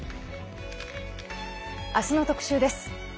明日の特集です。